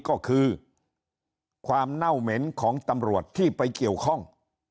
ก็คือความเน่าเหม็นของตำรวจที่ไปเกี่ยวข้อง